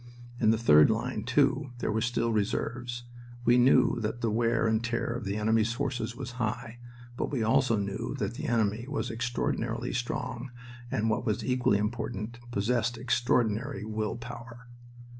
In the third line, too, there were still reserves. We knew that the wear and tear of the enemy's forces was high. But we also knew that the enemy was extraordinarily strong and, what was equally important, possessed extraordinary will power."